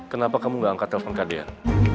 kenapa kamu gak angkat telfon ke adrian